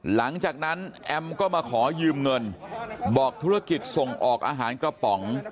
หลังจากนั้นแอมก็มาขอยืมเงินบอกธุรกิจส่งออกอาหารกระป๋อง